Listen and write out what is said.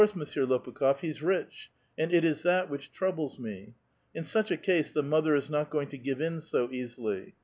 Monsieur Lopukh6f, he's rich ; and it is that which troubles me. In such a case the mother is not going to give in so easily.